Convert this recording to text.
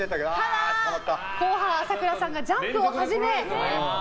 後半、朝倉さんがジャンプを始め。